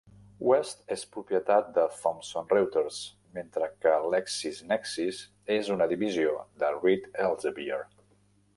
West és propietat de Thomson Reuters, mentre que LexisNexis és una divisió de Reed Elsevier.